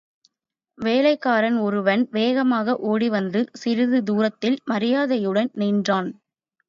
வேலைக்காரன் ஒருவன் வேகமாக ஓடி வந்து சிறிது தூரத்தில் மரியாதையுடன் நின்றான்.